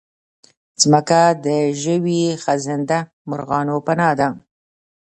مځکه د ژوي، خزنده، مرغانو پناه ده.